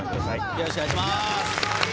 よろしくお願いします。